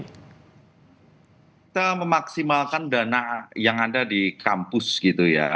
kita memaksimalkan dana yang ada di kampus gitu ya